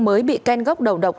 mới bị khen gốc đầu độc